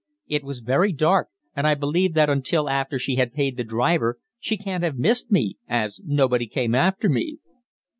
It was very dark, and I believe that until after she had paid the driver she can't have missed me, as nobody came after me."